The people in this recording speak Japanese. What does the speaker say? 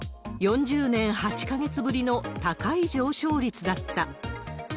４０年８か月ぶりの高い上昇率だった。